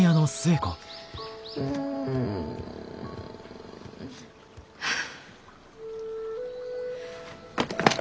うん。はあ。